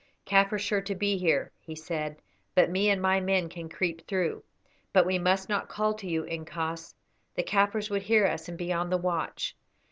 "Kaffir sure to be here," he said, "but me and my men can creep through; but we must not call to you, incos; the Kaffirs would hear us and be on the watch.